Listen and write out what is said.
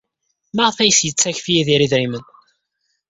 Maɣef ay as-yettakf Yidir idrimen?